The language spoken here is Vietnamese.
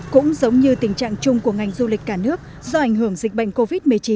cũng giống như tình trạng chung của ngành du lịch cả nước do ảnh hưởng dịch bệnh covid một mươi chín